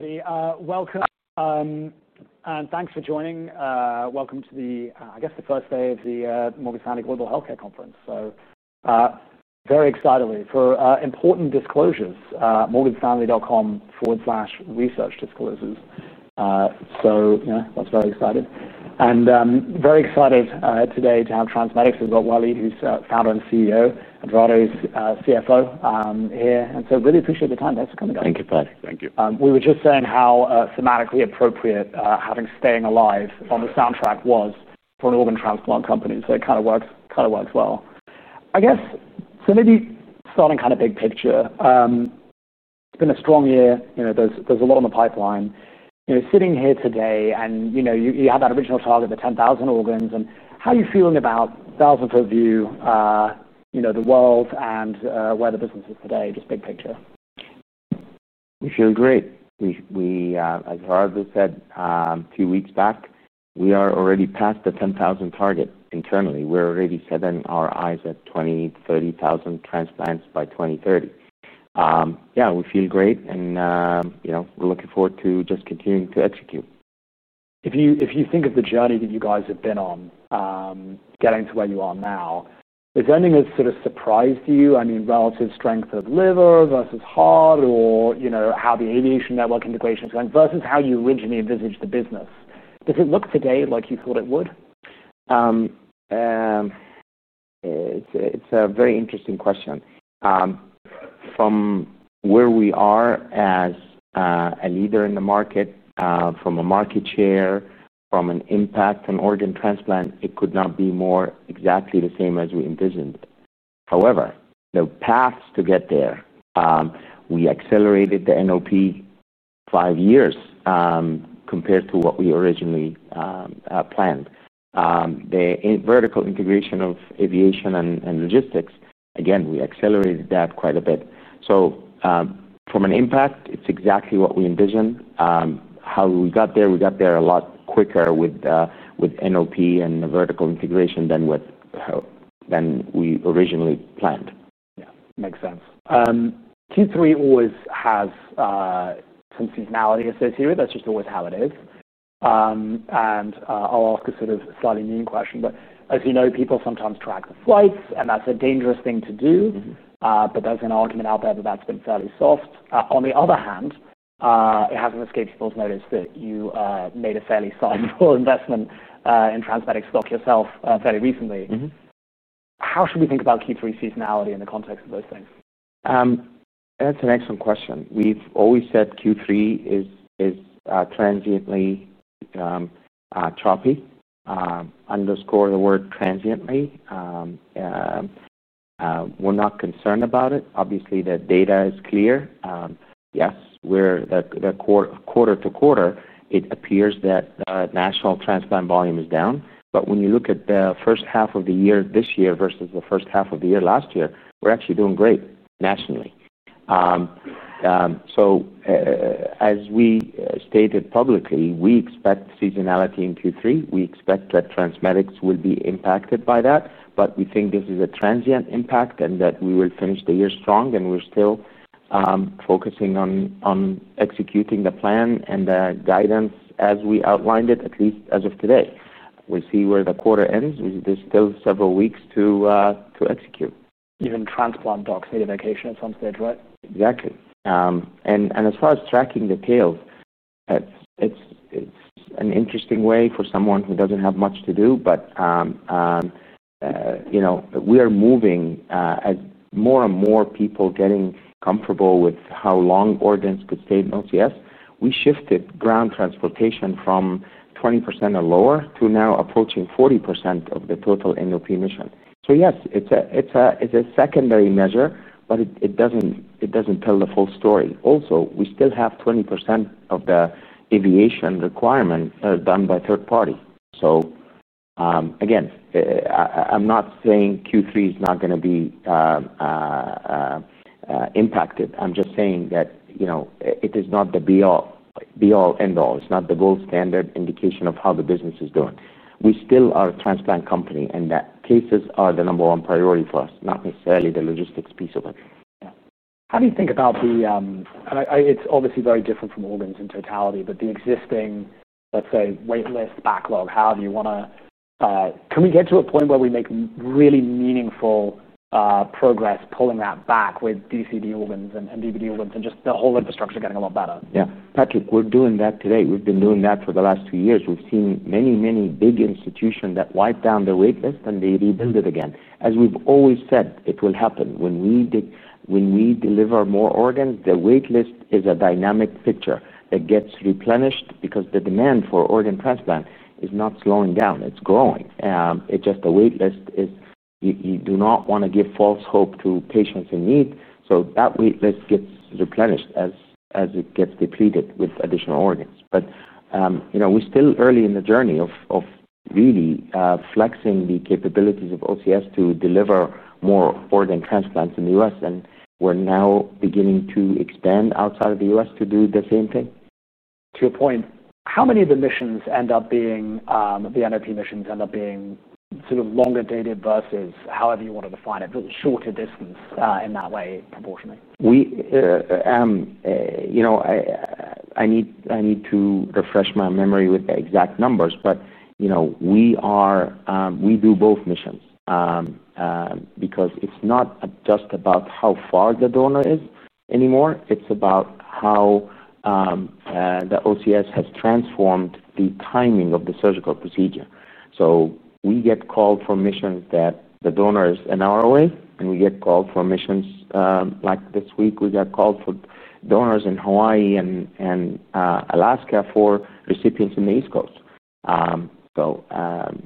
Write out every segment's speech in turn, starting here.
Welcome, and thanks for joining. Welcome to the first day of the Morgan Stanley Global Healthcare Conference. For important disclosures, MorganStanley.com/research disclosures. That's very exciting. Very excited today to have TransMedics, who've got Waleed, who's Founder and CEO, and Gerardo is CFO here. Really appreciate the time. Thanks for coming back. Thank you, Pat. Thank you. We were just saying how thematically appropriate having "Staying Alive" on the soundtrack was for an organ transplant company. It kind of works, kind of works well. I guess, maybe starting kind of big picture, it's been a strong year. There's a lot on the pipeline. Sitting here today, you had that original target of 10,000 organs. How are you feeling about that as you view the world and where the business is today, just big picture? We feel great. As Gerardo said a few weeks back, we are already past the 10,000 target internally. We're already setting our eyes at 20,000 to 30,000 transplants by 2030. We feel great, and we're looking forward to just continuing to execute. If you think of the journey that you guys have been on, getting to where you are now, is there anything that's sort of surprised you? I mean, relative strength of liver versus heart, or you know, how the aviation logistics network integration is going versus how you originally envisaged the business? Does it look today like you thought it would? It's a very interesting question. From where we are as a leader in the market, from a market share, from an impact on organ transplant, it could not be more exactly the same as we envisioned. However, the paths to get there, we accelerated the NOP five years compared to what we originally planned. The vertical integration of aviation and logistics, again, we accelerated that quite a bit. From an impact, it's exactly what we envisioned. How we got there, we got there a lot quicker with NOP and vertical integration than we originally planned. Yeah, makes sense. Q3 always has some seasonality associated with it. That's just always how it is. I'll ask a sort of slightly mean question. As you know, people sometimes track the flights, and that's a dangerous thing to do. There's an argument out there that that's been fairly soft. On the other hand, it hasn't escaped people's notice that you made a fairly sizable investment in TransMedics stock yourself fairly recently. How should we think about Q3 seasonality in the context of those things? That's an excellent question. We've always said Q3 is transiently choppy. Underscore the word transiently. We're not concerned about it. Obviously, the data is clear. Yes, quarter to quarter, it appears that the national transplant volume is down. When you look at the first half of the year this year versus the first half of the year last year, we're actually doing great nationally. As we stated publicly, we expect seasonality in Q3. We expect that TransMedics will be impacted by that. We think this is a transient impact and that we will finish the year strong. We're still focusing on executing the plan and the guidance as we outlined it, at least as of today. We'll see where the quarter ends. There's still several weeks to execute. do you see kidney at some stage, right? Exactly. As far as tracking the tails, it's an interesting way for someone who doesn't have much to do. We are moving as more and more people are getting comfortable with how long organs could stay in OCS. We shifted ground transportation from 20% or lower to now approaching 40% of the total National OCS Program mission. Yes, it's a secondary measure, but it doesn't tell the full story. We still have 20% of the aviation requirement done by third party. I'm not saying Q3 is not going to be impacted. I'm just saying that it is not the be-all, end-all. It's not the gold standard indication of how the business is doing. We still are a transplant company, and cases are the number one priority for us, not necessarily the logistics piece of it. How do you think about the, it's obviously very different from organs in totality, but the existing, let's say, waitlist backlog, how do you want to, can we get to a point where we make really meaningful progress pulling that back with DCD organs and DBD organs and just the whole infrastructure getting a lot better? Yeah, Patrick, we're doing that today. We've been doing that for the last two years. We've seen many, many big institutions that wipe down the waitlist and they rebuild it again. As we've always said, it will happen. When we deliver more organs, the waitlist is a dynamic picture that gets replenished because the demand for organ transplant is not slowing down. It's growing. The waitlist is, you do not want to give false hope to patients in need. That waitlist gets replenished as it gets depleted with additional organs. We're still early in the journey of really flexing the capabilities of OCS to deliver more organ transplants in the U.S., and we're now beginning to expand outside of the U.S. to do the same thing. To your point, how many of the missions end up being, the NOP missions end up being sort of longer dated versus, however you want to define it, sort of shorter distance in that way proportionally? I need to refresh my memory with the exact numbers, but we do both missions because it's not just about how far the donor is anymore. It's about how the OCS has transformed the timing of the surgical procedure. We get called for missions where the donor is an hour away, and we get called for missions like this week. We got called for donors in Hawaii and Alaska for recipients on the East Coast. I would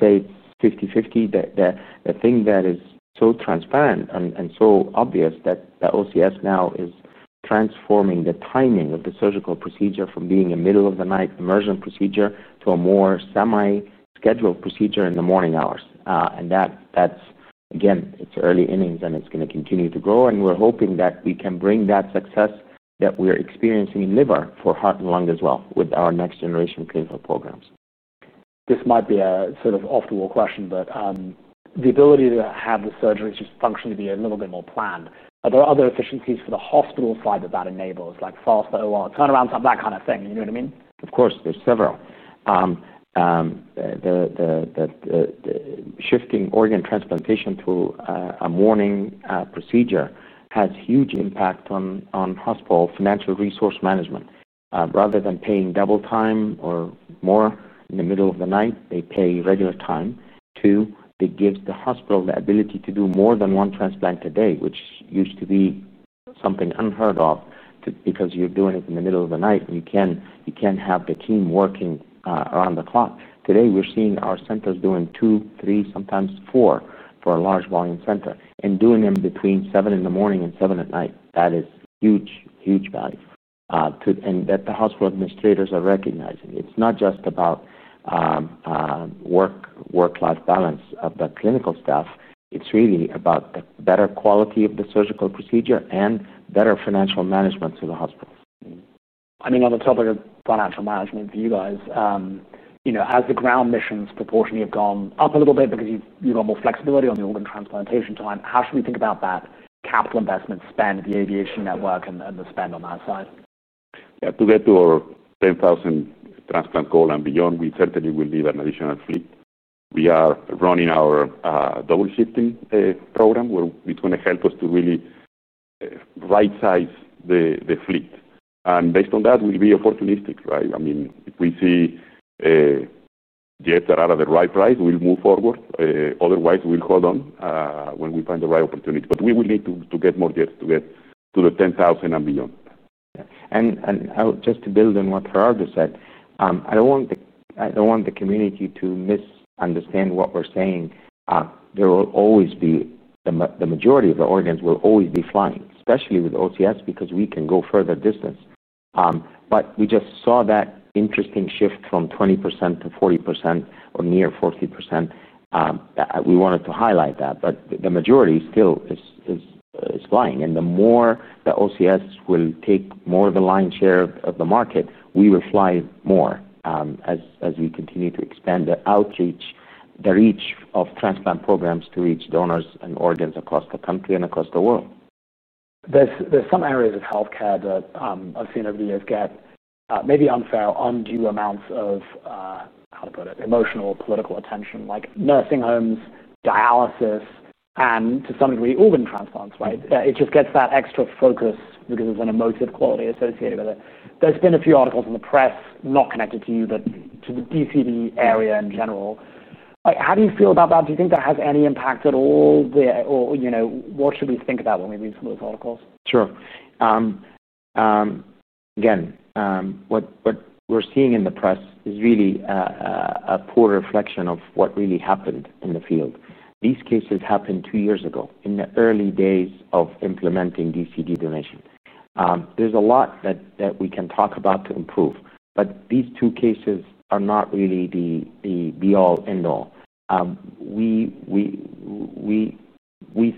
say it's 50-50. The thing that is so transparent and so obvious is that the OCS now is transforming the timing of the surgical procedure from being a middle-of-the-night emergent procedure to a more semi-scheduled procedure in the morning hours. It's early innings and it's going to continue to grow. We're hoping that we can bring that success that we're experiencing in liver for heart and lung as well with our next generation clinical programs. This might be a sort of off-the-wall question, but the ability to have the surgeries just functionally be a little bit more planned. Are there other efficiencies for the hospital side that that enables, like faster OR turnaround time, that kind of thing? You know what I mean? Of course, there's several. The shifting organ transplantation to a morning procedure has a huge impact on hospital financial resource management. Rather than paying double time or more in the middle of the night, they pay regular time. Two, it gives the hospital the ability to do more than one transplant a day, which used to be something unheard of because you're doing it in the middle of the night. You can't have the team working around the clock. Today, we're seeing our centers doing two, three, sometimes four for a large volume center and doing them between 7:00 A.M. and 7:00 P.M. That is huge, huge value. That the hospital administrators are recognizing. It's not just about work-life balance of the clinical staff. It's really about the better quality of the surgical procedure and better financial management to the hospital. I mean, on the topic of financial management for you guys, as the ground missions proportionately have gone up a little bit because you've got more flexibility on the organ transplantation time, how should we think about that capital investment spend, the aviation logistics network, and the spend on that side? Yeah, to get to our 10,000 transplant goal and beyond, we certainly will need an additional fleet. We are running our double shifting program, which is going to help us to really right-size the fleet. Based on that, we'll be opportunistic, right? I mean, if we see jets that are at the right price, we'll move forward. Otherwise, we'll hold on when we find the right opportunity. We will need to get more jets to get to the 10,000 and beyond. To build on what Gerardo said, I don't want the community to misunderstand what we're saying. There will always be, the majority of the organs will always be flying, especially with the OCS because we can go further distance. We just saw that interesting shift from 20% to 40% or near 40%. We wanted to highlight that, but the majority still is flying. The more the OCS will take more of the lion's share of the market, we will fly more as we continue to expand the outreach, the reach of transplant programs to reach donors and organs across the country and across the world. are some areas of healthcare that I've seen over the years get maybe unfair, undue amounts of, how to put it, emotional or political attention, like nursing homes, dialysis, and to some degree, organ transplants, right? It just gets that extra focus because there's an emotive quality associated with it. There have been a few articles in the press not connected to you, but to the DCD area in general. How do you feel about that? Do you think that has any impact at all? What should we think about when we read some of those articles? Sure. Again, what we're seeing in the press is really a poor reflection of what really happened in the field. These cases happened two years ago in the early days of implementing DCD donations. There's a lot that we can talk about to improve, but these two cases are not really the be-all, end-all. We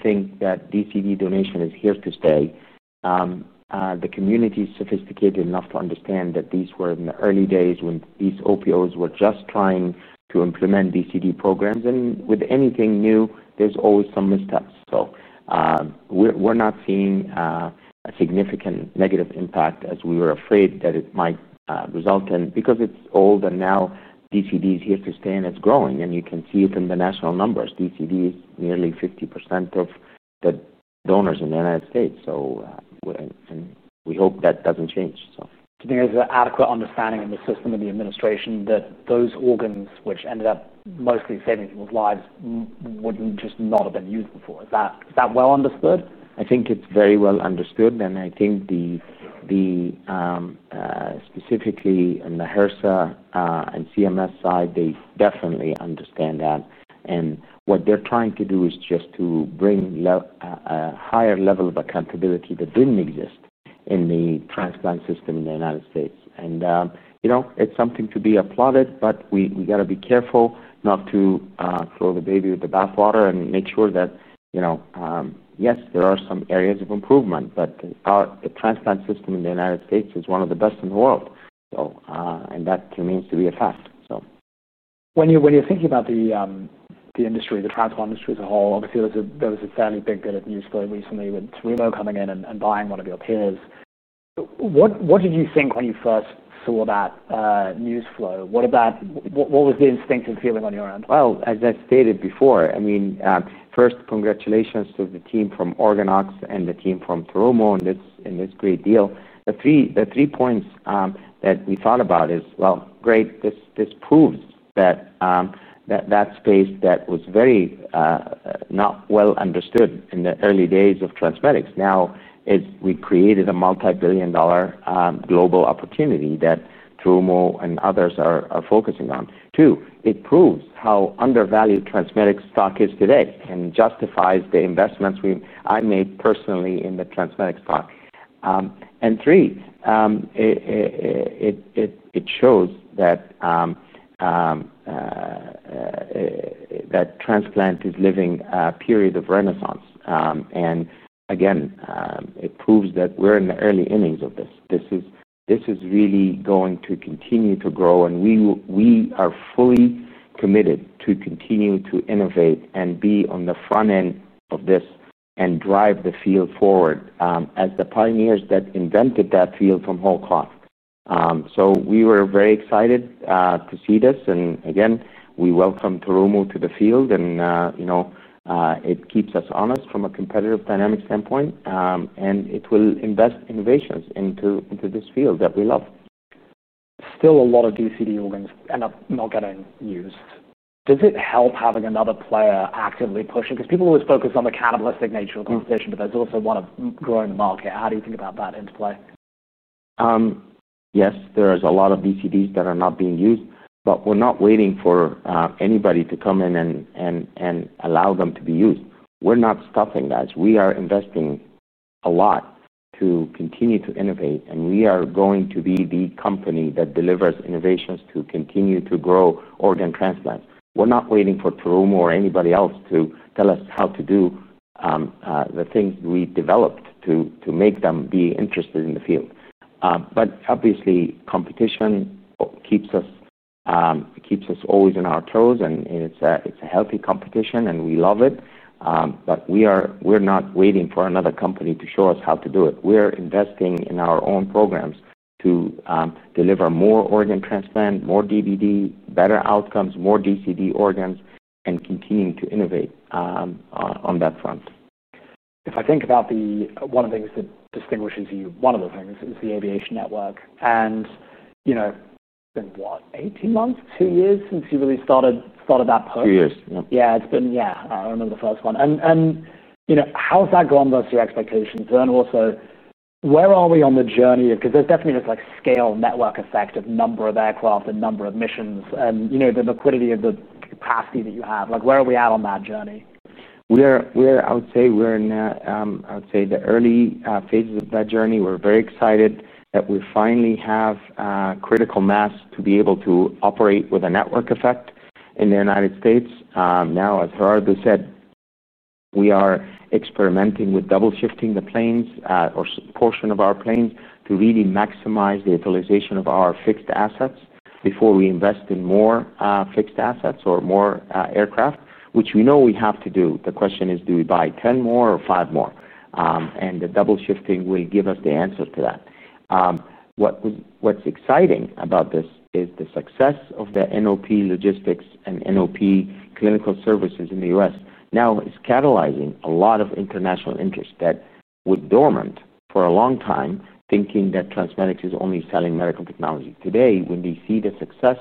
think that DCD donation is here to stay. The community is sophisticated enough to understand that these were in the early days when these OPOs were just trying to implement DCD programs. With anything new, there's always some missteps. We're not seeing a significant negative impact as we were afraid that it might result in because it's old and now DCD is here to stay and it's growing. You can see it in the national numbers. DCD is nearly 50% of the donors in the U.S., and we hope that doesn't change. Do you think there's an adequate understanding in the system and the administration that those organs which ended up mostly saving people's lives wouldn't just not have been useful for? Is that well understood? I think it's very well understood. I think specifically on the HRSA and CMS side, they definitely understand that. What they're trying to do is just to bring a higher level of accountability that didn't exist in the transplant system in the U.S. It's something to be applauded, but we got to be careful not to throw the baby with the bathwater and make sure that, yes, there are some areas of improvement, but the transplant system in the U.S. is one of the best in the world, and that remains to be a fact. When you're thinking about the industry, the transplant industry as a whole, obviously there was a fairly big bit of news flow recently with Terumo coming in and buying one of your peers. What did you think when you first saw that news flow? What was the instinctive feeling on your end? As I stated before, first, congratulations to the team from OrganOx and the team from Terumo in this great deal. The three points that we thought about are, great, this proves that that space that was not well understood in the early days of TransMedics now is, we created a multi-billion dollar global opportunity that Terumo and others are focusing on. Two, it proves how undervalued TransMedics stock is today and justifies the investments I made personally in the TransMedics stock. Three, it shows that transplant is living a period of renaissance. Again, it proves that we're in the early innings of this. This is really going to continue to grow, and we are fully committed to continue to innovate and be on the front end of this and drive the field forward as the pioneers that invented that field from whole cloth. We were very excited to see this. Again, we welcome Terumo to the field, and you know, it keeps us honest from a competitive dynamic standpoint. It will invest innovations into this field that we love. Still, a lot of DCD organs end up not getting used. Does it help having another player actively pushing? People always focus on the catalytic nature of the reputation, but there's also a lot of growing the market. How do you think about that interplay? Yes, there are a lot of DCDs that are not being used, but we're not waiting for anybody to come in and allow them to be used. We're not stopping that. We are investing a lot to continue to innovate, and we are going to be the company that delivers innovations to continue to grow organ transplants. We're not waiting for Terumo or anybody else to tell us how to do the things we developed to make them be interested in the field. Obviously, competition keeps us always on our toes, and it's a healthy competition, and we love it. We're not waiting for another company to show us how to do it. We're investing in our own programs to deliver more organ transplants, more DBD, better outcomes, more DCD organs, and continue to innovate on that front. If I think about one of the things that distinguishes you, one of the things is the aviation logistics network. It's been, what, 18 months, two years since you really started that post? Two years, yeah. Yeah, I remember the first one. How's that gone versus your expectations? Where are we on the journey? There's definitely this scale network effect of number of aircraft and number of missions and the liquidity of the capacity that you have. Where are we at on that journey? I would say we're in the early phases of that journey. We're very excited that we finally have critical mass to be able to operate with a network effect in the U.S. As Gerardo said, we are experimenting with double shifting the planes or a portion of our planes to really maximize the utilization of our fixed assets before we invest in more fixed assets or more aircraft, which we know we have to do. The question is, do we buy 10 more or 5 more? The double shifting will give us the answer to that. What's exciting about this is the success of the NOP logistics and NOP clinical services in the U.S. Now it's catalyzing a lot of international interest that was dormant for a long time, thinking that TransMedics is only selling medical technology. Today, when we see the success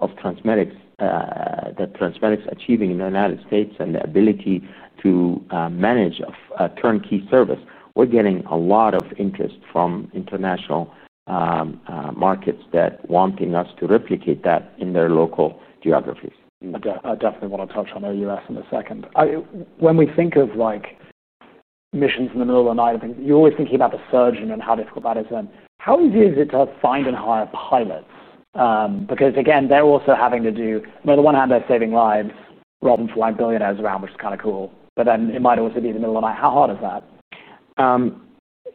that TransMedics is achieving in the U.S. and the ability to manage a turnkey service, we're getting a lot of interest from international markets that are wanting us to replicate that in their local geographies. I definitely want to touch on the U.S. in a second. When we think of missions, and I think you're always thinking about the surgeon and how difficult that is, how easy is it to find and hire pilots? Because again, they're also having to do, on the one hand, they're saving lives, rather than flying billionaires around, which is kind of cool. It might also be the middle of the night. How hard is that?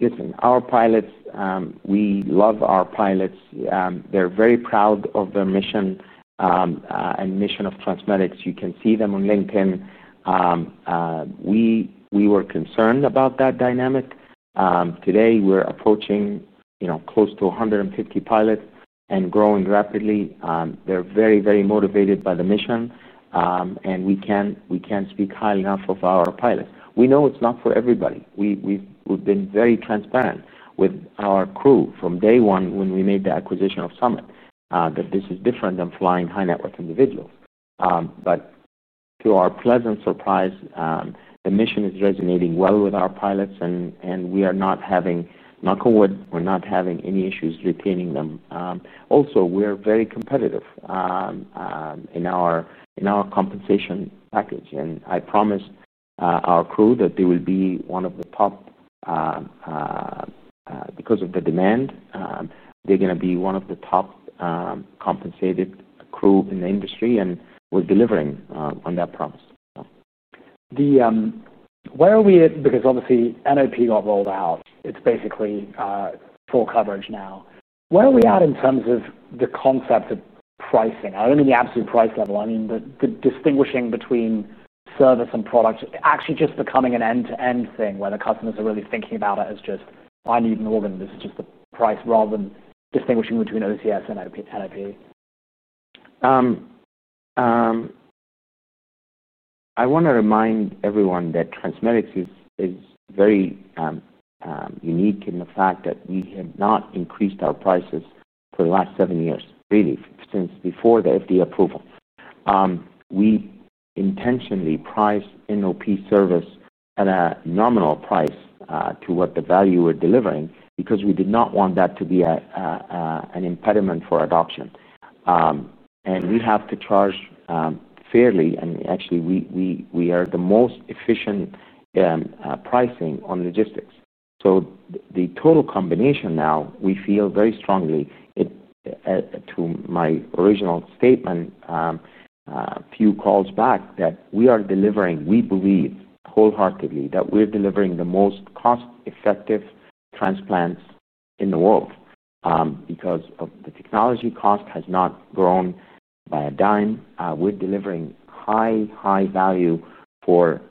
Listen, our pilots, we love our pilots. They're very proud of their mission and mission of TransMedics. You can see them on LinkedIn. We were concerned about that dynamic. Today, we're approaching close to 150 pilots and growing rapidly. They're very, very motivated by the mission. We can't speak highly enough of our pilots. We know it's not for everybody. We've been very transparent with our crew from day one when we made the acquisition of Summit that this is different than flying high net worth individuals. To our pleasant surprise, the mission is resonating well with our pilots, and we are not having, knock on wood, we're not having any issues retaining them. Also, we're very competitive in our compensation package. I promise our crew that they will be one of the top, because of the demand, they're going to be one of the top compensated crew in the industry, and we're delivering on that promise. Where are we, because obviously NOP got rolled out, it's basically full coverage now. Where are we at in terms of the concept of pricing? I don't mean the absolute price level. I mean the distinguishing between service and product, actually just becoming an end-to-end thing where the customers are really thinking about it as just, I need an organ, this is just the price rather than distinguishing between OCS and NOP. I want to remind everyone that TransMedics is very unique in the fact that we have not increased our prices for the last seven years, really, since before the FDA approval. We intentionally price NOP service at a nominal price to what the value we're delivering because we did not want that to be an impediment for adoption. We have to charge fairly, and actually, we are the most efficient pricing on logistics. The total combination now, we feel very strongly, to my original statement, recalls back that we are delivering, we believe wholeheartedly that we're delivering the most cost-effective transplants in the world because the technology cost has not grown by a dime. We're delivering high, high value for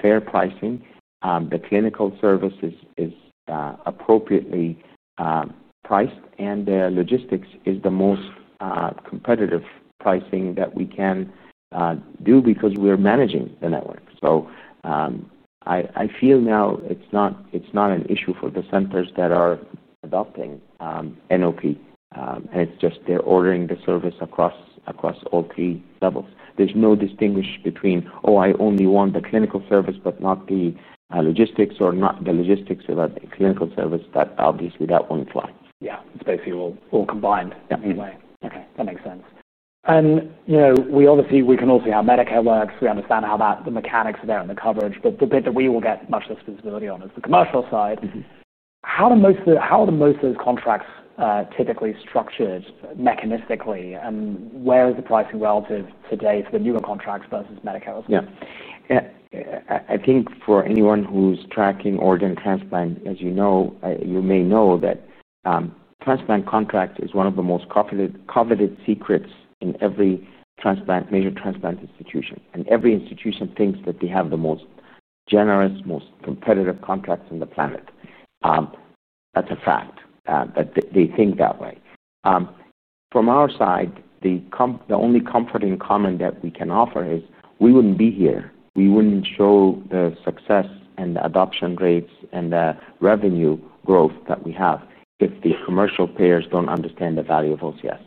fair pricing. The clinical service is appropriately priced, and the logistics is the most competitive pricing that we can do because we're managing the network. I feel now it's not an issue for the centers that are adopting NOP, and it's just they're ordering the service across all three levels. There's no distinguishing between, oh, I only want the clinical service but not the logistics, or not the logistics about the clinical service. Obviously, that won't fly. Yeah, it's basically all combined in a way. Okay, that makes sense. You know, we obviously, we can all see how Medicare works. We understand how the mechanics are there and the coverage, but the bit that we will get much less visibility on is the commercial side. How are most of those contracts typically structured mechanistically, and where is the pricing relative today for the newer contracts versus Medicare? Yeah, I think for anyone who's tracking organ transplant, as you know, you may know that transplant contract is one of the most coveted secrets in every major transplant institution. Every institution thinks that they have the most generous, most competitive contracts on the planet. That's a fact that they think that way. From our side, the only comforting comment that we can offer is we wouldn't be here. We wouldn't show the success and the adoption rates and the revenue growth that we have if the commercial payers don't understand the value of OCS.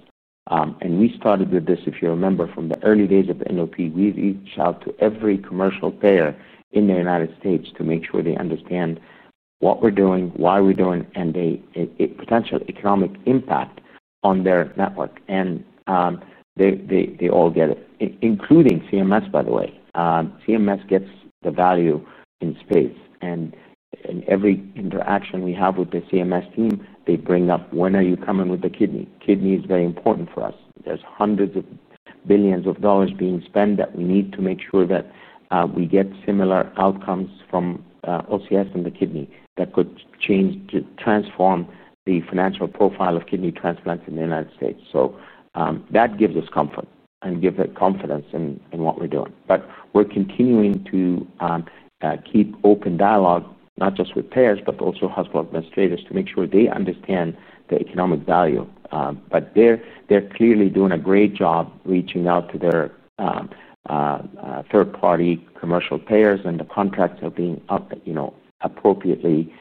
We started with this, if you remember, from the early days of the NOP. We reach out to every commercial payer in the U.S. to make sure they understand what we're doing, why we're doing, and the potential economic impact on their network. They all get it, including CMS, by the way. CMS gets the value in space. In every interaction we have with the CMS team, they bring up, when are you coming with the kidney? Kidney is very important for us. There's hundreds of billions of dollars being spent that we need to make sure that we get similar outcomes from OCS than the kidney that could change to transform the financial profile of kidney transplants in the U.S. That gives us comfort and gives us confidence in what we're doing. We're continuing to keep open dialogue, not just with payers, but also hospital administrators to make sure they understand the economic value. They're clearly doing a great job reaching out to their third-party commercial payers, and the contracts are being appropriately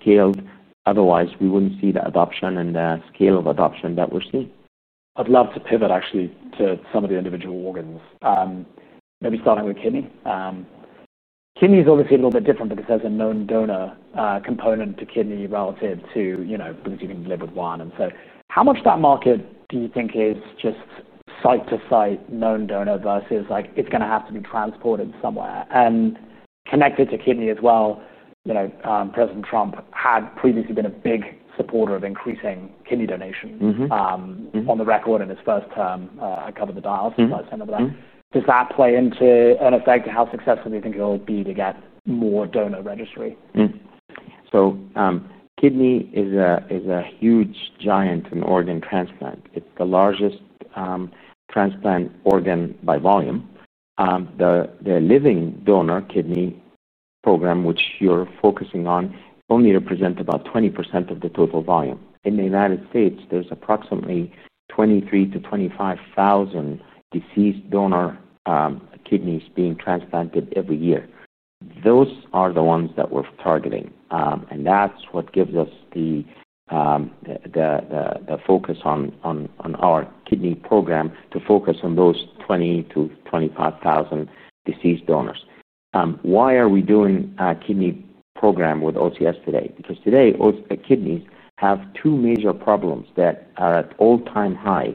scaled. Otherwise, we wouldn't see the adoption and the scale of adoption that we're seeing. I'd love to pivot actually to some of the individual organs. Maybe starting with kidney. Kidney is obviously a little bit different because there's a known donor component to kidney relative to, you know, things you can deliver to one. How much of that market do you think is just site to site, known donor versus like it's going to have to be transported somewhere? Connected to kidney as well, you know, President Trump had previously been a big supporter of increasing kidney donations on the record in his first term. I covered the dialysis last time over that. Does that play into an effect of how successful you think it'll be to get more donor registry? Yeah. Kidney is a huge giant in organ transplant. It's the largest transplant organ by volume. The living donor kidney program, which you're focusing on, only represents about 20% of the total volume. In the U.S., there's approximately 23,000 to 25,000 deceased donor kidneys being transplanted every year. Those are the ones that we're targeting. That's what gives us the focus on our kidney program to focus on those 20,000 to 25,000 deceased donors. Why are we doing a kidney program with OCS today? Because today kidneys have two major problems that are at an all-time high.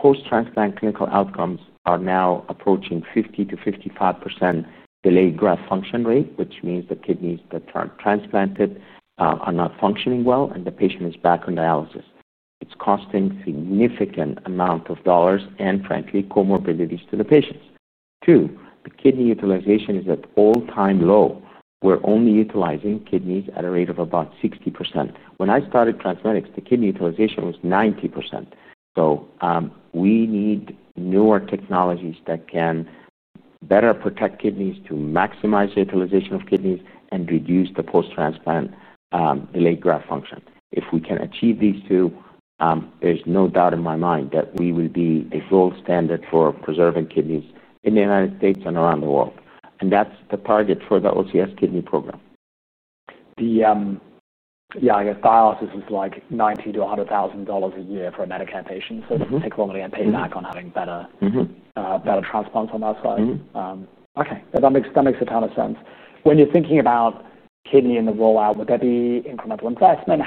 The post-transplant clinical outcomes are now approaching 50% to 55% delayed graft function rate, which means the kidneys that are transplanted are not functioning well, and the patient is back on dialysis. It's costing a significant amount of dollars and, frankly, comorbidities to the patients. Two, the kidney utilization is at an all-time low. We're only utilizing kidneys at a rate of about 60%. When I started TransMedics, the kidney utilization was 90%. We need newer technologies that can better protect kidneys to maximize the utilization of kidneys and reduce the post-transplant delayed graft function. If we can achieve these two, there's no doubt in my mind that we will be a gold standard for preserving kidneys in the U.S. and around the world. That's the target for the OCS kidney program. Yeah, I guess dialysis is like $90,000 to $100,000 a year for a Medicare patient. They take a lot of money and pay back on having better transplants on that side. That makes a ton of sense. When you're thinking about kidney and the rollout, would there be incremental investment?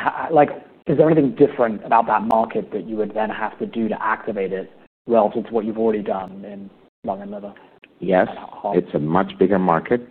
Is there anything different about that market that you would then have to do to activate it relative to what you've already done in lung and liver? Yes, it's a much bigger market.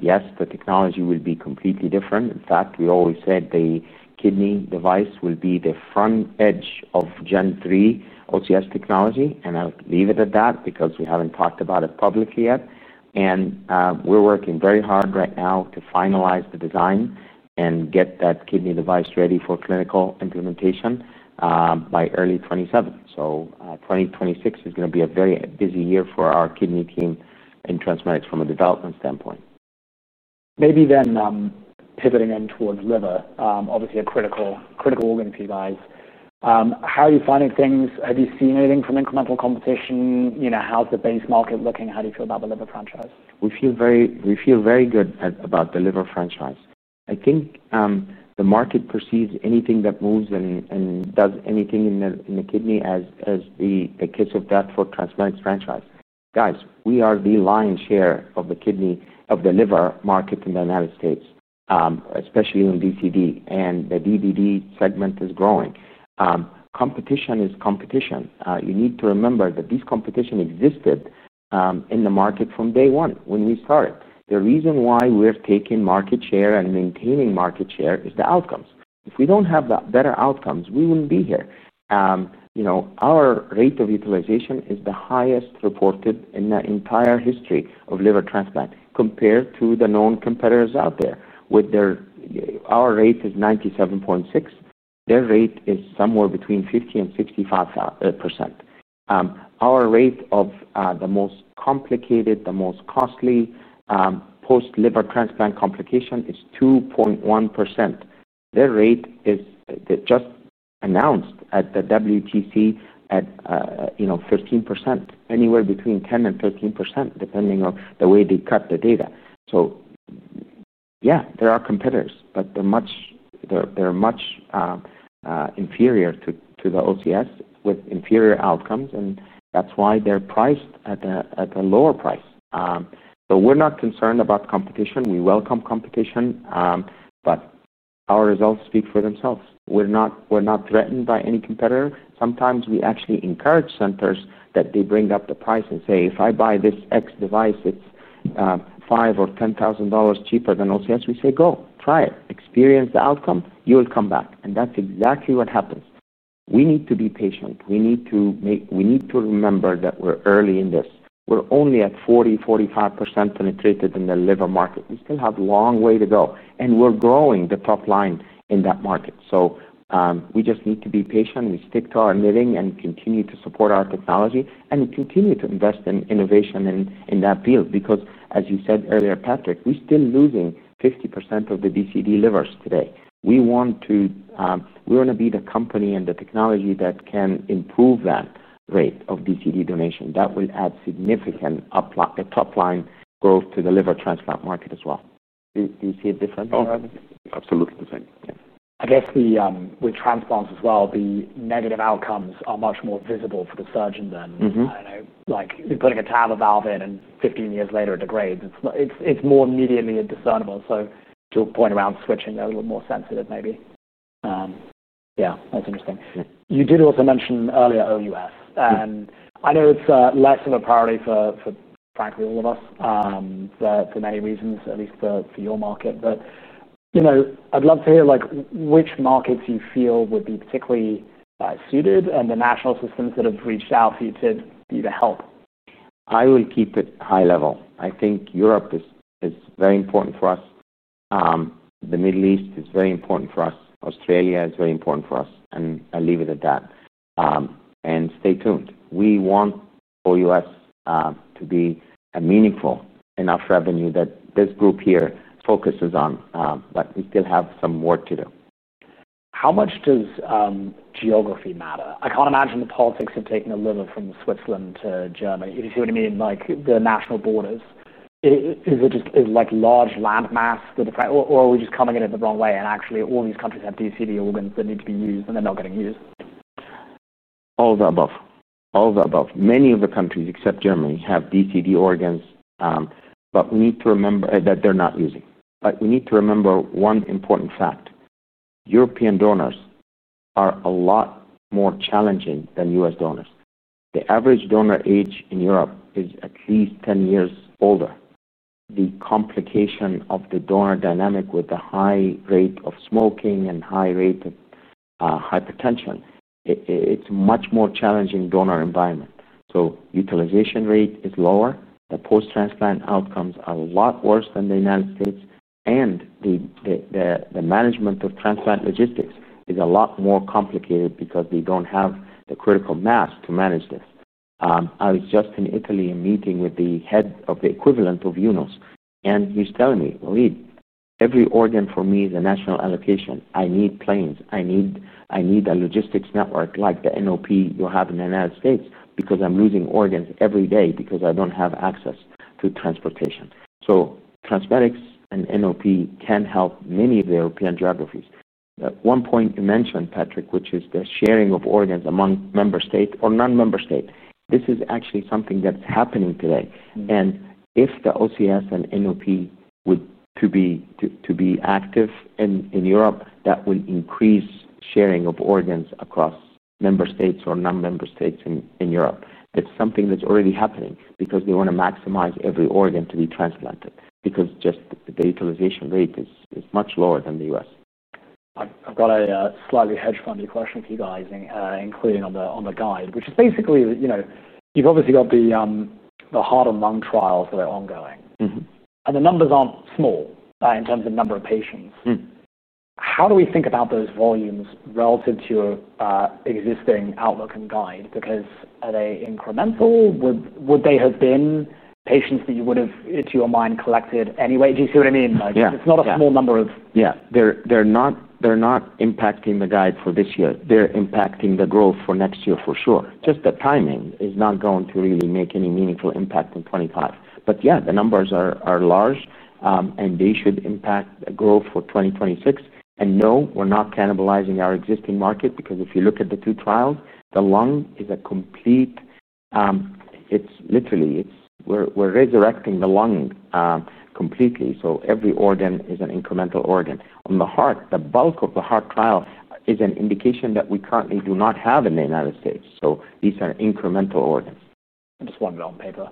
Yes, the technology will be completely different. In fact, we always said the kidney device will be the front edge of Gen 3 OCS technology. I'll leave it at that because we haven't talked about it publicly yet. We're working very hard right now to finalize the design and get that kidney device ready for clinical implementation by early 2027. 2026 is going to be a very busy year for our kidney team in TransMedics from a development standpoint. Maybe then pivoting in towards liver, obviously a critical organ for you guys. How are you finding things? Have you seen anything from incremental competition? How's the base market looking? How do you feel about the liver franchise? We feel very good about the liver franchise. I think the market perceives anything that moves and does anything in the kidney as the kiss of death for TransMedics' franchise. Guys, we are the lion's share of the kidney of the liver market in the U.S., especially on DCD. The DBD segment is growing. Competition is competition. You need to remember that this competition existed in the market from day one when we started. The reason why we're taking market share and maintaining market share is the outcomes. If we don't have better outcomes, we wouldn't be here. Our rate of utilization is the highest reported in the entire history of liver transplant compared to the known competitors out there. Our rate is 97.6%. Their rate is somewhere between 50% and 65%. Our rate of the most complicated, the most costly post-liver transplant complication is 2.1%. Their rate is just announced at the WTC at 13%, anywhere between 10% and 13%, depending on the way they cut the data. There are competitors, but they're much inferior to the OCS with inferior outcomes. That's why they're priced at a lower price. We're not concerned about competition. We welcome competition. Our results speak for themselves. We're not threatened by any competitor. Sometimes we actually encourage centers that they bring up the price and say, "If I buy this X device, it's $5,000 or $10,000 cheaper than OCS." We say, "Go, try it. Experience the outcome. You will come back." That's exactly what happens. We need to be patient. We need to remember that we're early in this. We're only at 40%, 45% penetrated in the liver market. We still have a long way to go. We're growing the top line in that market. We just need to be patient and stick to our knitting and continue to support our technology and continue to invest in innovation in that field. As you said earlier, Patrick, we're still losing 50% of the DCD livers today. We want to be the company and the technology that can improve that rate of DCD donation. That will add significant top-line growth to the liver transplant market as well. Do you see a difference? Absolutely the same. I guess with transplants as well, the negative outcomes are much more visible for the surgeon than, I don't know, like you're putting a TAVR valve in and 15 years later it degrades. It's more immediately discernible. To a point around switching, they're a little bit more sensitive maybe. Yeah, that's interesting. You did also mention earlier OUS. I know it's a lesson of priority for practically all of us for many reasons, at least for your market. I'd love to hear which markets you feel would be particularly suited and the national systems that have reached out for you to help. I will keep it high level. I think Europe is very important for us. The Middle East is very important for us. Australia is very important for us. I'll leave it at that. Stay tuned. We want OUS to be a meaningful enough revenue that this group here focuses on, but we still have some work to do. How much does geography matter? I can't imagine the politics of taking a liver from Switzerland to Germany. Do you see what I mean? The national borders. Is it just like large landmass? Are we just coming in at the wrong way and actually all these countries have DCD organs that need to be used and they're not getting used? All of the above. Many of the countries, except Germany, have DCD organs, but we need to remember one important fact. European donors are a lot more challenging than U.S. donors. The average donor age in Europe is at least 10 years older. The complication of the donor dynamic with the high rate of smoking and high rate of hypertension, it's a much more challenging donor environment. Utilization rate is lower. The post-transplant outcomes are a lot worse than the United States. The management of transplant logistics is a lot more complicated because they don't have the critical mass to manage this. I was just in Italy and meeting with the head of the equivalent of UNOS, and he's telling me, "Waleed, every organ for me is a national allocation. I need planes. I need a logistics network like the NOP you have in the United States because I'm losing organs every day because I don't have access to transportation." TransMedics and NOP can help many of the European geographies. One point you mentioned, Patrick, which is the sharing of organs among member states or non-member states, is actually something that's happening today. If the OCS and NOP were to be active in Europe, that would increase sharing of organs across member states or non-member states in Europe. It's something that's already happening because they want to maximize every organ to be transplanted because just the utilization rate is much lower than the U.S. I've got a slightly hedge funded question for you guys, including on the guide, which is basically, you know, you've obviously got the heart and lung trials that are ongoing. The numbers aren't small in terms of the number of patients. How do we think about those volumes relative to your existing outlook and guide? Are they incremental? Would they have been patients that you would have, to your mind, collected anyway? Do you see what I mean? It's not a small number of. Yeah, they're not impacting the guide for this year. They're impacting the growth for next year for sure. The timing is not going to really make any meaningful impact in 2025. Yeah, the numbers are large, and they should impact the growth for 2026. No, we're not cannibalizing our existing market because if you look at the two trials, the lung is a complete, it's literally, we're resurrecting the lung completely. Every organ is an incremental organ. On the heart, the bulk of the heart trial is an indication that we currently do not have in the U.S. These are incremental organs. I'm just wondering on paper.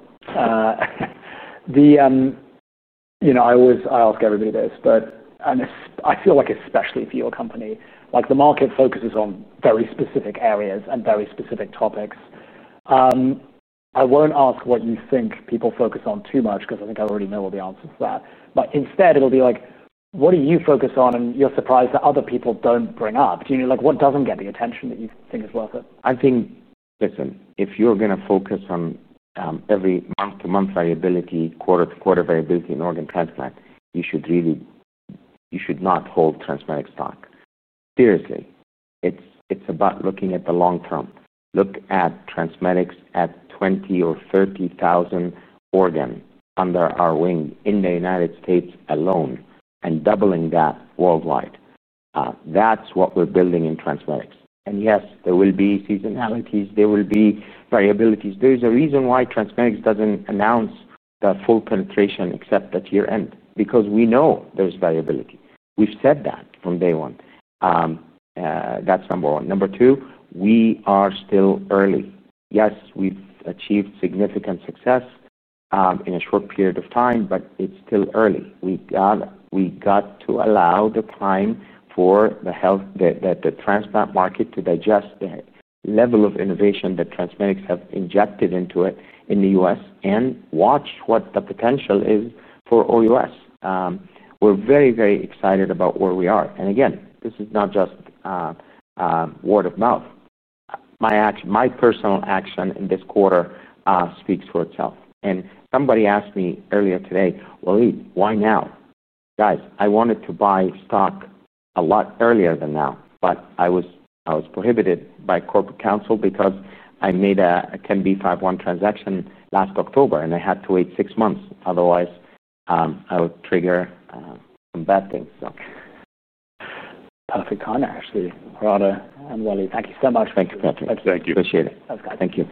You know, I always ask everybody this, but I feel like especially for your company, like the market focuses on very specific areas and very specific topics. I won't ask what you think people focus on too much because I think I already know all the answers to that. Instead, it'll be like, what do you focus on and you're surprised that other people don't bring up? Do you know, like what doesn't get the attention that you think is worth it? I think, listen, if you're going to focus on every month-to-month variability, quarter-to-quarter variability in organ transplant, you should really, you should not hold TransMedics stock. Seriously, it's about looking at the long term. Look at TransMedics at 20,000 or 30,000 organs under our wing in the U.S. alone and doubling that worldwide. That's what we're building in TransMedics. Yes, there will be seasonalities. There will be variabilities. There's a reason why TransMedics doesn't announce the full penetration except at year-end because we know there's variability. We've said that from day one. That's number one. Number two, we are still early. Yes, we've achieved significant success in a short period of time, but it's still early. We got to allow the time for the health, the transplant market to digest the level of innovation that TransMedics have injected into it in the U.S. and watch what the potential is for OUS. We're very, very excited about where we are. This is not just word of mouth. My personal action in this quarter speaks for itself. Somebody asked me earlier today, "Waleed, why now?" Guys, I wanted to buy stock a lot earlier than now, but I was prohibited by corporate counsel because I made a 10B51 transaction last October, and I had to wait six months. Otherwise, I would trigger some bad things. Perfect corner, actually. Thank you so much. Thank you, Patrick. Appreciate it. Thank you.